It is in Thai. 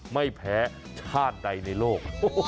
ไม่แพ้ชาติใดในโลก